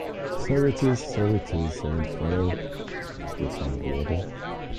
‘So it is — so it is, old fellow,’ replied Wardle.